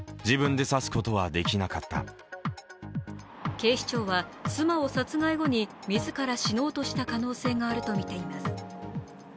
警視庁は妻を殺害後に自ら死のうとした可能性があるとみています。